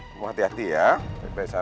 kamu hati hati ya pergi ke sana